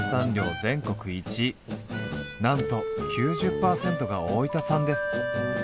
なんと９０％が大分産です。